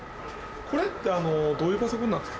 これってどういうパソコンなんすか？